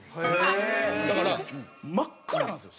だから真っ暗なんですよ